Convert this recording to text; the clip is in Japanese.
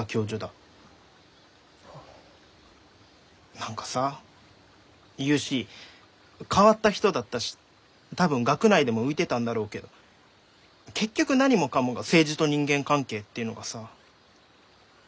何かさユーシー変わった人だったし多分学内でも浮いてたんだろうけど結局何もかもが政治と人間関係っていうのがさ。